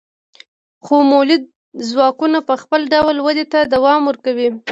خو مؤلده ځواکونه په خپل ډول ودې ته دوام ورکوي.